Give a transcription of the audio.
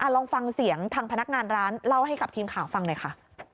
ลองฟังเสียงทางพนักงานร้านเล่าให้กับทีมข่าวฟังหน่อยค่ะ